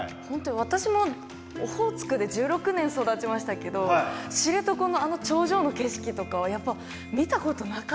私もオホーツクで１６年育ちましたけど知床の頂上の景色とかはやっぱ見たことなかったですもん。